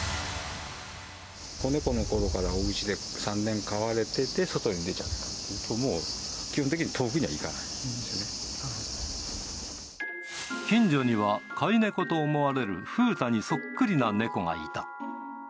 子猫のころからおうちで３年飼われてて、外に出ちゃったっていうと、もう基本的に遠くには行近所には、飼い猫と思われるふうたにそっくりな猫がいた。